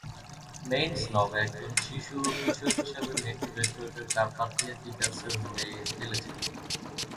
মেইসনৌভ একজন শিশু ও কিশোর হিসেবে মেট্রো ডেট্রয়েটের কারপাথিয়া কিকার্সের হয়ে খেলেছেন।